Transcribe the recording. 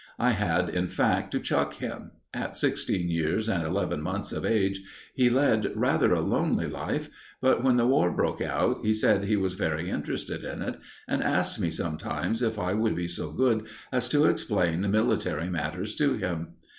I had, in fact, to chuck him. At sixteen years and eleven months of age he led rather a lonely life; but when the War broke out, he said he was very interested in it, and asked me sometimes if I would be so good as to explain military matters to him.